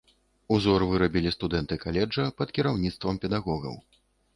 Узор вырабілі студэнты каледжа пад кіраўніцтвам педагогаў.